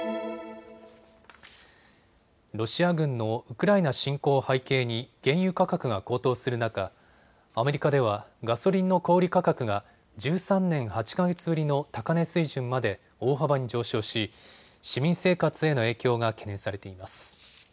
ロシア軍のウクライナ侵攻を背景に原油価格が高騰する中、アメリカではガソリンの小売価格が１３年８か月ぶりの高値水準まで大幅に上昇し、市民生活への影響が懸念されています。